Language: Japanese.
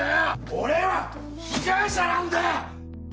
俺は被害者なんだよ！